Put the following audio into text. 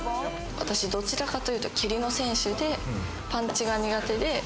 どちらかというと蹴りの選手で、パンチが苦手で。